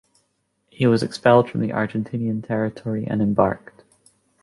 He was expelled from the Argentinian territory and embarked.